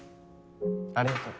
ありがとう。